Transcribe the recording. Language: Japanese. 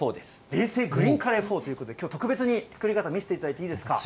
冷製グリーンカレーフォーということで、きょう、特別に作り方、見せていただいていいですか。